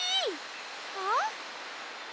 あっ？